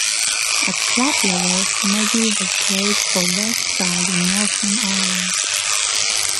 At club level Magee has played for Westside in Northern Ireland.